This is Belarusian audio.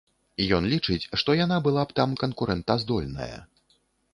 Ён лічыць, што яна была б там канкурэнтаздольная.